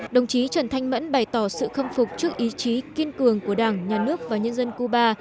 đồng chí trần thanh mẫn bày tỏ sự khâm phục trước ý chí kiên cường của đảng nhà nước và nhân dân cuba